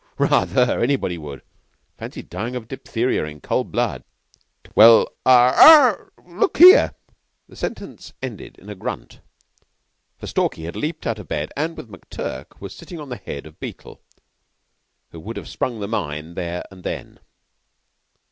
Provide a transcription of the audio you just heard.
"Ra ather. Anybody would. Fancy dying of diphtheria in cold blood." "Well ah! Er! Look here!" The sentence ended in a grunt, for Stalky had leaped out of bed and with McTurk was sitting on the head of Beetle, who would have sprung the mine there and then.